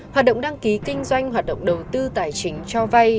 hoạt động đăng ký kinh doanh hoạt động đầu tư tài chính cho vay